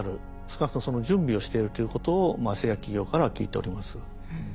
少なくともその準備をしてるということを製薬企業からは聞いております。